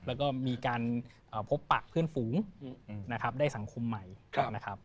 แล้วก็มีการพบปะเพื่อนฝูงนะครับได้สังคมใหม่นะครับ